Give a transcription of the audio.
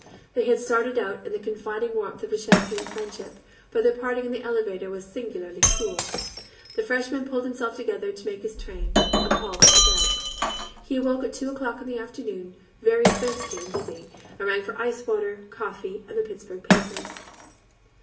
They had started out in the confiding warmth of a champagne friendship, but their parting in the elevator was singularly cool. The freshman pulled himself together to make his train, and Paul went to bed. He awoke at two o'clock in the afternoon, very thirsty and dizzy, and rang for icewater, coffee, and the Pittsburgh papers.